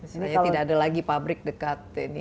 sebenarnya tidak ada lagi pabrik dekat